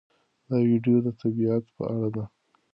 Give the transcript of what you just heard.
دا ویډیو د طبیعت په اړه ده.